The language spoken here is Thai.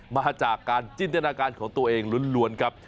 มาจากการจินตนาการของตัวเองล้วนครับ